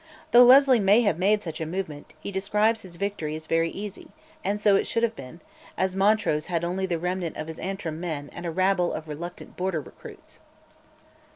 Though Leslie may have made such a movement, he describes his victory as very easy: and so it should have been, as Montrose had only the remnant of his Antrim men and a rabble of reluctant Border recruits.